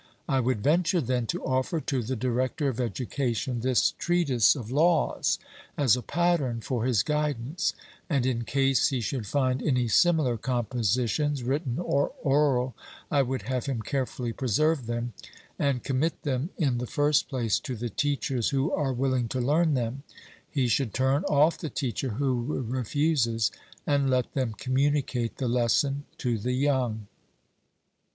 I would venture, then, to offer to the Director of Education this treatise of laws as a pattern for his guidance; and in case he should find any similar compositions, written or oral, I would have him carefully preserve them, and commit them in the first place to the teachers who are willing to learn them (he should turn off the teacher who refuses), and let them communicate the lesson to the young.